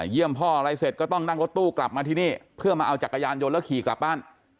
พ่ออะไรเสร็จก็ต้องนั่งรถตู้กลับมาที่นี่เพื่อมาเอาจักรยานยนต์แล้วขี่กลับบ้าน